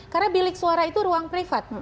karena bilik suara itu ruang privat